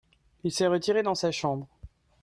il s'est retiré dans sa chambre.